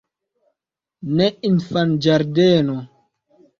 Ne infanĝardeno.